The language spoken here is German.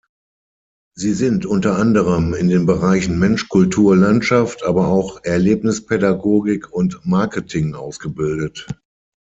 Sie sind unter anderem in den Bereichen Mensch-Kultur-Landschaft, aber auch Erlebnispädagogik und Marketing ausgebildet.